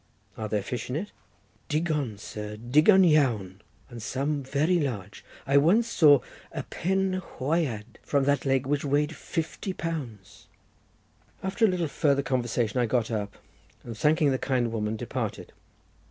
"Are there fish in it?" "Digon, sir, digon iawn, and some very large. I once saw a Pen hwyad from that lake which weighed fifty pounds." After a little farther conversation I got up, and, thanking the kind woman, departed.